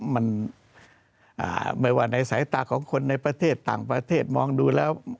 มันไม่ว่าในสายตาของคนในประเทศต่างประเทศมองดูแล้ว